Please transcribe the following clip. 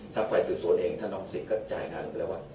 ถ้าใครสื่อส่วนเองท่านอ๋อมศิษย์ก็จ่ายงานแล้วว่า